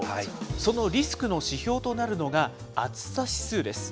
そのリスクの指標となるのが、暑さ指数です。